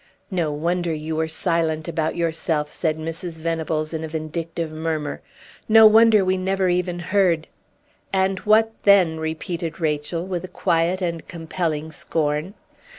"No wonder you were silent about yourself," said Mrs. Venables, in a vindictive murmur. "No wonder we never even heard " "And what then?" repeated Rachel, with a quiet and compelling scorn.